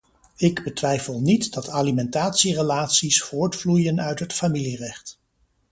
Ik betwijfel niet dat alimentatierelaties voortvloeien uit het familierecht.